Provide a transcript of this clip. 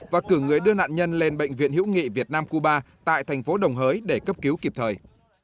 và cử người đưa nạn nhân lên bệnh viện hữu nghị việt nam cuba tại thành phố đồng hới để cấp cứu kịp thời